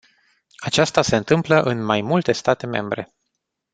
Aceasta se întâmplă în mai multe state membre.